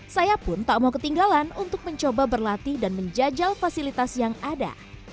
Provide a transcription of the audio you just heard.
saya pun tak mau ketinggalan untuk mencoba berlatih dan menjajal fasilitas yang ada